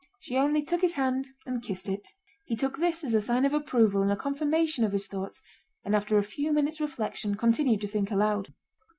She only took his hand and kissed it. He took this as a sign of approval and a confirmation of his thoughts, and after a few minutes' reflection continued to think aloud.